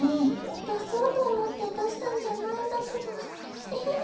だそうとおもってだしたんじゃないんだけどエヘヘ。